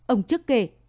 ông trức kể